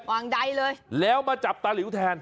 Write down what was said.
วังใดเลยแล้วมาจับตาหลิวแทน